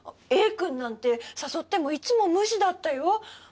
Ａくんなんて誘ってもいつも無視だったよ。